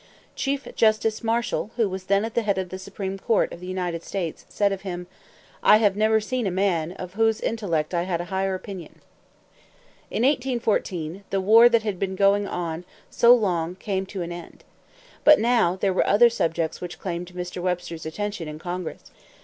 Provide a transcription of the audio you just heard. Chief Justice Marshall, who was then at the head of the Supreme Court of the United States, said of him: "I have never seen a man of whose intellect I had a higher opinion." In 1814, the war that had been going on so long came to an end. But now there were other subjects which claimed Mr. Webster's attention in Congress.